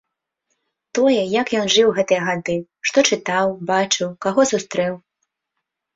Тое, як ён жыў гэтыя гады, што чытаў, бачыў, каго сустрэў.